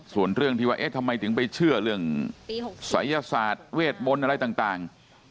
ส่วนเรื่องที่ว่าเอ๊ะทำไมถึงไปเชื่อเรื่องศัยศาสตร์เวทมนต์อะไรต่าง